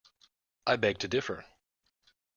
I beg to differ